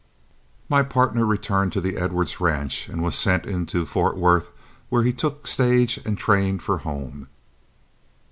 My partner returned to the Edwards ranch and was sent in to Fort Worth, where he took stage and train for home.